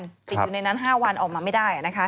ติดอยู่ในนั้น๕วันออกมาไม่ได้นะคะ